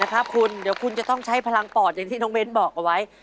คุณเดี๋ยวคุณจะต้องใช้พลังปอดอย่างที่น้องเบ้นบอกเอาไว้